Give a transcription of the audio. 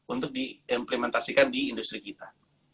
untuk diimplementasikan di industri kita